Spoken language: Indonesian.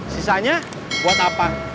sisanya buat apa